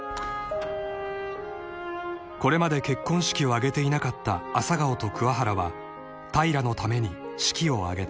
［これまで結婚式を挙げていなかった朝顔と桑原は平のために式を挙げた］